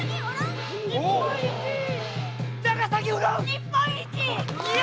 日本一！